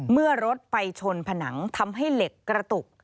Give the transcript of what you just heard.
เมื่อรถไปชนผนังทำให้เหล็กกระตุก